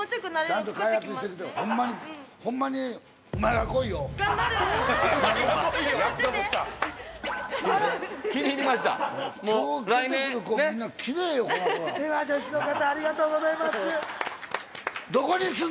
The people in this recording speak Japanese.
では助手の方ありがとうございます。